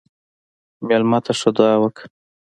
مېلمه ته ښه دعا وکړه.